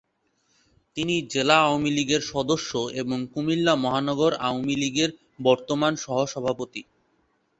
তিনি জেলা আওয়ামী লীগের সদস্য এবং কুমিল্লা মহানগর আওয়ামী লীগের বর্তমান সহসভাপতি।